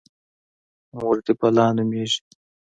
_مور دې بلا نومېږي؟